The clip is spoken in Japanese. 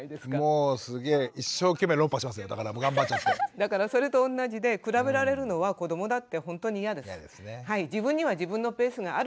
だからそれと同じで比べられるのは子どもだってほんとにいやです。